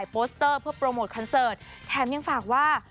เพื่อโปรโมทคอนเซิร์ตแถมยังฝากว่า